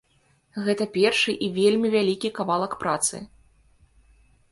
Гэта першы і вельмі вялікі кавалак працы.